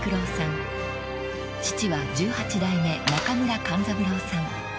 ［父は十八代目中村勘三郎さん］